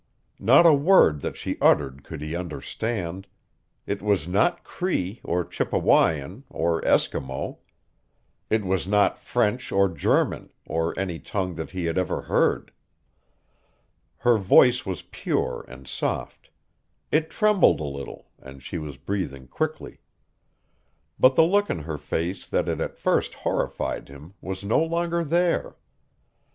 Not a word that she uttered could he understand. It was not Cree or Chippewyan or Eskimo. It was not French or German or any tongue that he had ever heard. Her voice was pure and soft. It trembled a little, and she was breathing quickly. But the look in her face that had at first horrified him was no longer there.